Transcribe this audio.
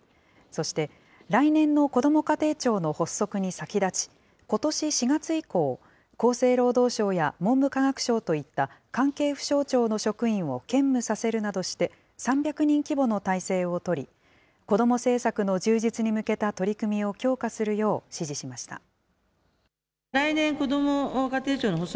そして、来年のこども家庭庁の発足に先立ち、ことし４月以降、厚生労働省や文部科学省といった関係府省庁の職員を兼務させるなどして、３００人規模の態勢を取り、子ども政策の充実に向けた取り組みを強化するよう指示しました。